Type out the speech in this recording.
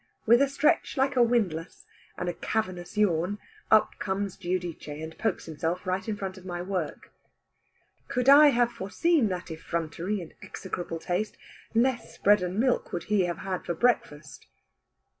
With a stretch like a windlass, and a cavernous yawn, up comes Giudice, and pokes himself right in front of my work. Could I have foreseen that effrontery and execrable taste, less bread and milk would he have had for breakfast.